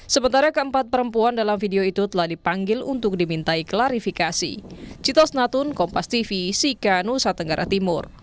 sementara keempat perempuan dalam video itu telah dipanggil untuk dimintai klarifikasi